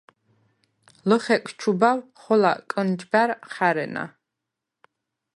ლჷხეკს ჩუბავ ხოლა კჷნჯბა̈რ ხა̈რენა.